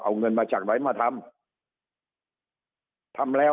เอาเงินมาจากไหนมาทำ